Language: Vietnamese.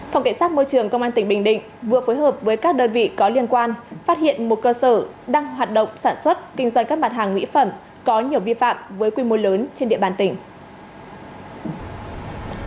phòng cảnh sát môi trường công an tỉnh bình định vừa phối hợp với các đơn vị có liên quan phát hiện một cơ sở đang hoạt động sản xuất kinh doanh các mặt hàng mỹ phẩm có nhiều vi phạm với quy mô lớn trên địa bàn tỉnh